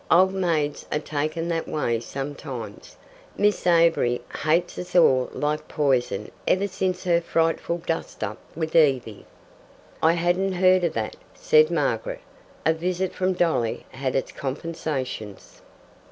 Old maids are taken that way sometimes. Miss Avery hates us all like poison ever since her frightful dust up with Evie." "I hadn't heard of that," said Margaret. A visit from Dolly had its compensations.